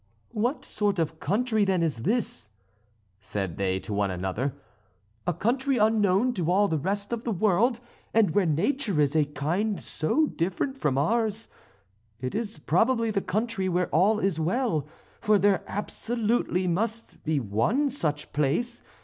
"What sort of a country then is this," said they to one another; "a country unknown to all the rest of the world, and where nature is of a kind so different from ours? It is probably the country where all is well; for there absolutely must be one such place.